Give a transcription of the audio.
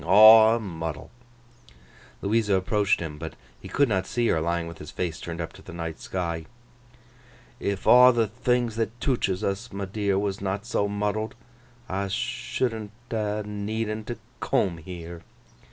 Aw a muddle!' Louisa approached him; but he could not see her, lying with his face turned up to the night sky. 'If aw th' things that tooches us, my dear, was not so muddled, I should'n ha' had'n need to coom heer.